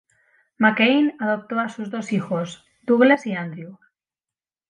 McCain adoptó a sus dos hijos, Douglas y Andrew.